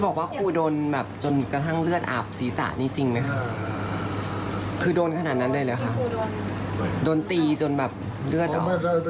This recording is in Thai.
แต่ว่าคุณก็ยืนยันว่าความสัมพันธ์ของคุณกับคุณเกศ